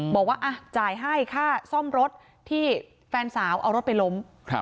บอกว่าจ่ายให้ค่าซ่อมรถที่แฟนสาวเอารถไปล้ม